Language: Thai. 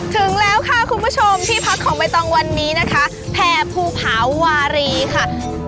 ถึงแล้วค่ะคุณผู้ชมที่พักของใบตองวันนี้นะคะแผ่ภูผาวารีค่ะ